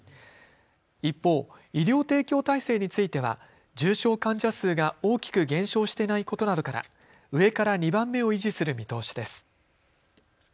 一方、医療提供体制については重症患者数が大きく減少していないことなどから上から２番目を維持する見通しです。